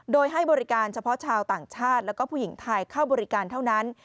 โดยให้บริการเฉพาะชาวต่างชาติแล้วก็ผู้หญิงไทยเข้าบริการเท่านั้น